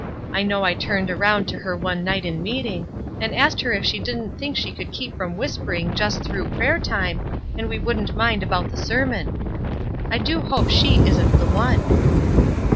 I know I turned around to her one night in meeting, and asked her if she didn't think she could keep from whispering just through prayer time, and we wouldn't mind about the sermon. I do hope she isn't the one."